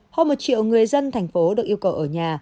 hơn một triệu người dân thành phố được yêu cầu ở nhà